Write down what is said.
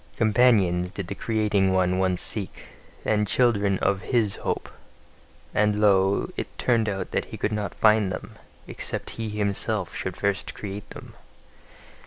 Companions did the creating one once seek, and children of HIS hope: and lo, it turned out that he could not find them, except he himself should first create them.